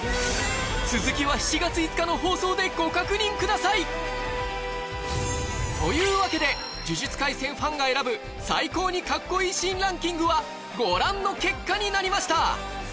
続きは７月５日の放送でご確認ください！というわけで「呪術廻戦」ファンが選ぶ最高にカッコいいシーンランキングはご覧の結果になりました！